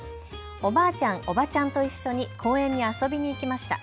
おばあちゃん、おばちゃんと一緒に公園に遊びに行きました。